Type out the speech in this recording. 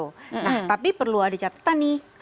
nah tapi perlu ada catatan nih